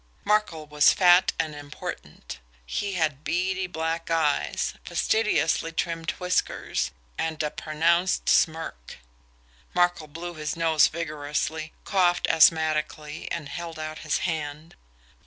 Markel was fat and important; he had beady black eyes, fastidiously trimmed whiskers and a pronounced smirk. Markel blew his nose vigorously, coughed asthmatically, and held out his hand.